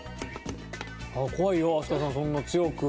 怖いよ飛鳥さんそんな強く。